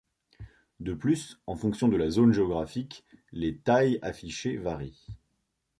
De plus, en fonction de la zone géographique, les tailles affichées varient.